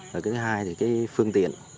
thứ hai thì phương tiện